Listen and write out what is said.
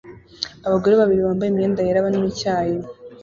Abagore babiri bambaye imyenda yera banywa icyayi